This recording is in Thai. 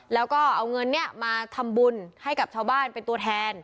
แล้วก็เอาเงินมาทำบุญให้กับชาวบ้านเป็นตัวแทน